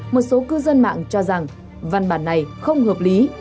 một số cư dân mạng cho rằng văn bản này không hợp lý